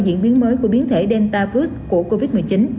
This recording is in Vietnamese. diễn biến mới của biến thể delta virus của covid một mươi chín